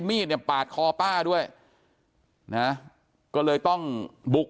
มีดปาดคอปั้ะด้วยก็เลยต้องบุก